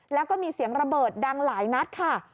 แล้วก็มีเสียงระเบิดดังหลายนัดค่ะ